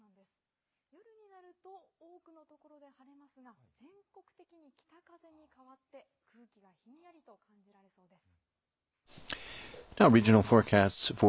夜になると、多くの所で晴れますが、全国的に北風に変わって、空気がひんやりと感じられそうです。